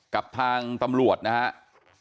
กับทางตำรวจนะครับ